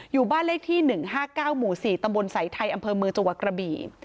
อยู่บ้านเลขที่๑๕๙หมู่๔ตำบลสายไทยอำเภอเมืองจังหวัดกระบี่